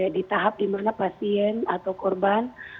di tahap dimana pasien atau korban